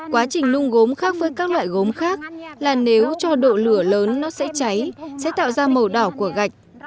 quá trình nung gốm khác với các loại gốm khác là nếu cho độ lửa lớn nó sẽ cháy sẽ tạo ra màu đỏ của gạch